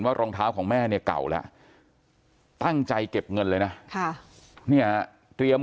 รองเท้าของแม่เนี่ยเก่าแล้วตั้งใจเก็บเงินเลยนะเนี่ยเตรียม